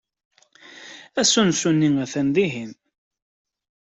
Asensu-nni atan dihin.